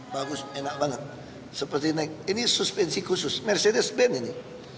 bagus enak banget ini suspensi khusus mercedes benz ini